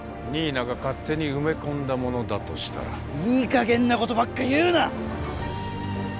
新名が勝手に埋め込んだものだとしたらいい加減なことばっか言うな！